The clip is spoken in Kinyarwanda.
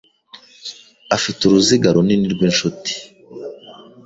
afite uruziga runini rwinshuti.